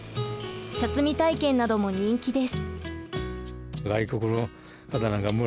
茶摘み体験なども人気です。